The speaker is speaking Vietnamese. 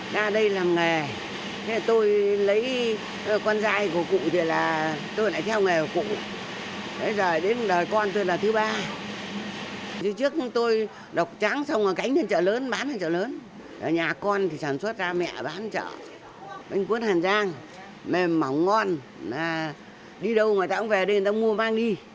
bánh cuốn hàn giang mềm mỏng ngon đi đâu người ta cũng về đây người ta mua mang đi